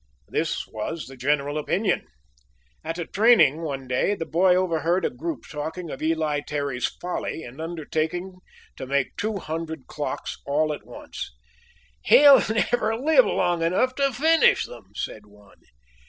This was the general opinion. At a training, one day, the boy overheard a group talking of Eli Terry's folly in undertaking to make two hundred clocks all at once. "He'll never live long enough to finish them," said one.